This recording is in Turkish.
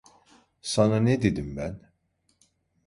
Sana ne dedim ben?